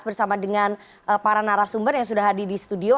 bersama dengan para narasumber yang sudah hadir di studio